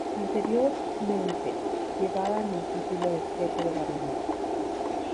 Anteriormente llevaban el título de "jefe de gabinete".